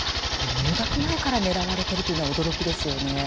入学前から狙われているというのは驚きですね。